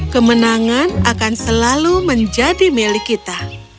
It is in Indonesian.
kemenangan akan selalu menjadi milik kita